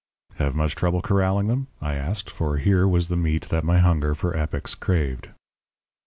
"Have much trouble corralling them?" I asked, for here was the meat that my hunger for epics craved.